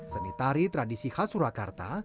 seni tari tradisi khas surakarta